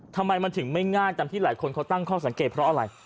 ทำไมมันถึงไม่ง่ายตามที่หลายคนเขาตั้งข้อสังเกตเพราะอะไร